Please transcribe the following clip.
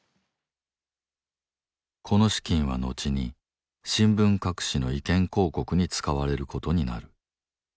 この資金はのちに新聞各紙の意見広告に使われる事になる。